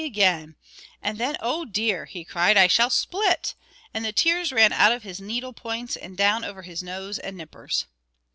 again; and then "Oh dear!" he cried "I shall split;" and the tears ran out of his needle points and down over his nose and nippers.